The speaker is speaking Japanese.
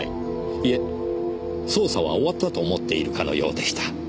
いえ捜査は終わったと思っているかのようでした。